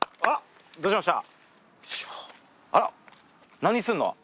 何するの？